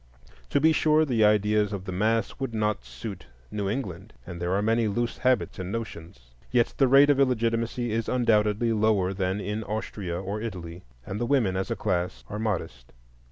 To be sure, the ideas of the mass would not suit New England, and there are many loose habits and notions. Yet the rate of illegitimacy is undoubtedly lower than in Austria or Italy, and the women as a class are modest.